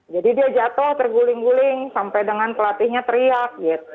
jadi dia jatuh terguling guling sampai dengan pelatihnya teriak gitu